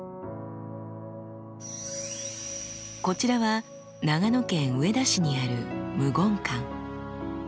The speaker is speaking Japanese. こちらは長野県上田市にある無言館。